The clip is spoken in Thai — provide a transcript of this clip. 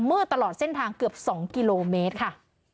ตลอดเส้นทางเกือบ๒กิโลเมตรค่ะ